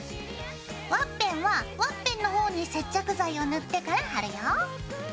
ワッペンはワッペンの方に接着剤を塗ってから貼るよ。